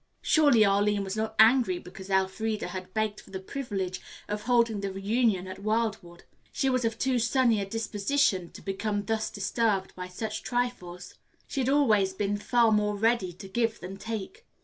Surely Arline was not angry because Elfreda had begged for the privilege of holding the reunion at Wildwood. She was of too sunny a disposition to become thus disturbed by such trifles. She had always been far more ready to give than take.